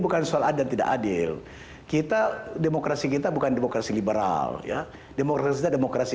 bukan soal adan tidak adil kita demokrasi kita bukan demokrasi liberal ya demokrasi kita demokrasi